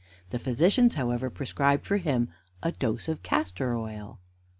The physicians, however, prescribed for him a dose of castor oil.